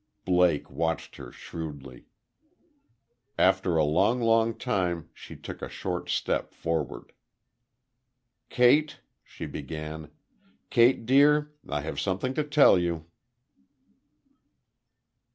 Blake watched her, shrewdly. After a long, long time, she took a short step forward. "Kate," she began. "Kate, dear. I have something to tell you."